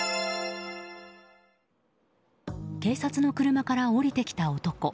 警察の車から降りてきた男。